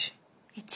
１。